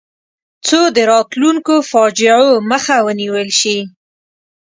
څو د راتلونکو فاجعو مخه ونیول شي.